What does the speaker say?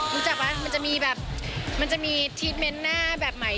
รู้จักป่ะมันจะมีแบบมันจะมีทีทเมนต์หน้าแบบใหม่